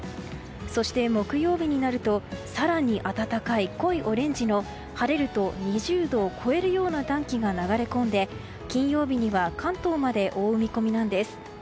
そして、木曜日になると更に暖かい濃いオレンジの晴れると２０度を超えるような暖気が流れ込んで金曜日には関東まで覆う見込みなんです。